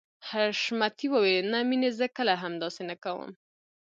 حشمتي وويل نه مينې زه کله هم داسې نه کوم.